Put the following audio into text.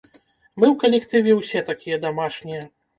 Мы ў калектыве ўсе такія дамашнія.